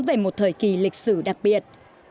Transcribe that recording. về một thời kỳ lịch sử đặc biệt